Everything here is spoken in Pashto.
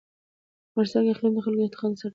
په افغانستان کې اقلیم د خلکو د اعتقاداتو سره تړاو لري.